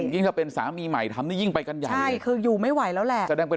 ยิ่งถ้าเป็นสามีใหม่ทำนี่ยิ่งไปกันใหญ่ใช่คืออยู่ไม่ไหวแล้วแหละ